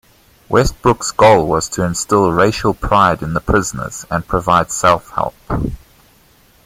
Westbrook's goal was to instill racial pride in the prisoners and provide self-help.